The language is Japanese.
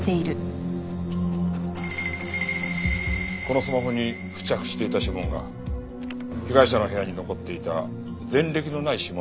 このスマホに付着していた指紋が被害者の部屋に残っていた前歴のない指紋と一致しました。